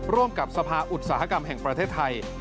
ร่วมกับสภาอุตสาหกรรมแห่งประเทศไทย